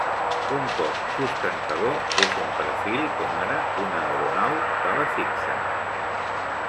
Un cos sustentador és un perfil com ara una aeronau d'ala fixa.